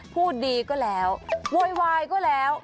พูดดีก็แล้วโวยวายก็แล้ว